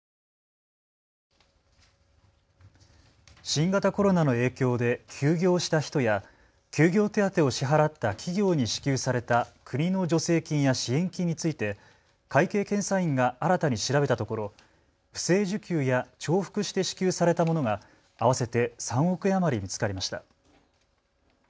新型コロナの影響で休業した人や休業手当を支払った企業に支給された国の助成金や支援金について会計検査院が新たに調べたところ、不正受給や重複して支給されたものが合わせて３億円余り見つかりました。